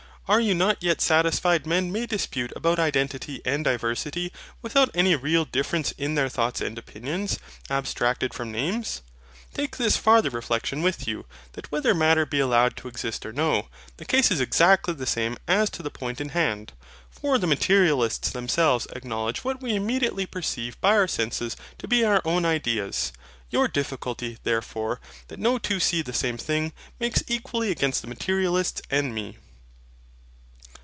Are you not yet satisfied men may dispute about identity and diversity, without any real difference in their thoughts and opinions, abstracted from names? Take this farther reflexion with you: that whether Matter be allowed to exist or no, the case is exactly the same as to the point in hand. For the Materialists themselves acknowledge what we immediately perceive by our senses to be our own ideas. Your difficulty, therefore, that no two see the same thing, makes equally against the Materialists and me.